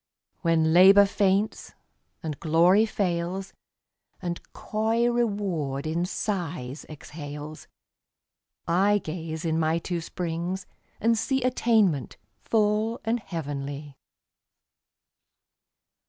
When Labor faints, and Glory fails, And coy Reward in sighs exhales, I gaze in my two springs and see Attainment full and heavenly.